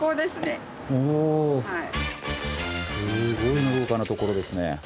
すごいのどかな所ですね。